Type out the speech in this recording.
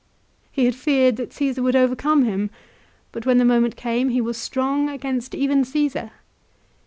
He had feared that Caesar would overcome him ; but when the moment came he was strong against even Cassar.